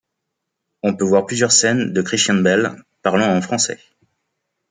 On peut voir plusieurs scènes de Christian Bale parlant en Français.